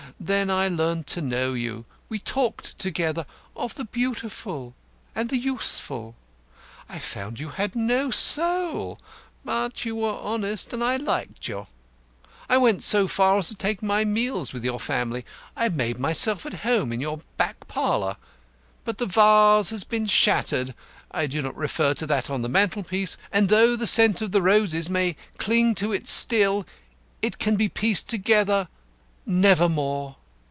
Then I learnt to know you. We talked together. Of the Beautiful. And the Useful. I found you had no soul. But you were honest, and I liked you. I went so far as to take my meals with your family. I made myself at home in your back parlour. But the vase has been shattered (I do not refer to that on the mantel piece), and though the scent of the roses may cling to it still, it can be pieced together nevermore."